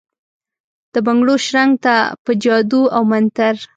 دبنګړو شرنګ ته ، په جادو اومنتر ،